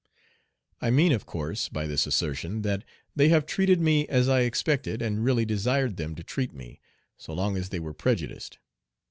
I mean, of course, by this assertion that they have treated me as I expected and really desired them to treat me, so long as they were prejudiced.